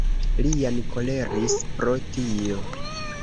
Lian koleris pro tio.